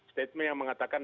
statement yang mengatakan